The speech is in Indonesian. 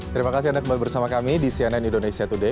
terima kasih anda kembali bersama kami di cnn indonesia today